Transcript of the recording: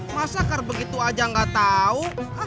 masa kar begitu aja gak tau